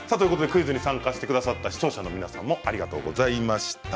クイズに参加してくださった視聴者の皆様ありがとうございました。